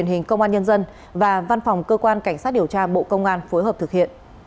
xin chào và hẹn gặp lại